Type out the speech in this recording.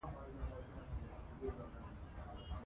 د بولان پټي د افغانانو د ګټورتیا برخه ده.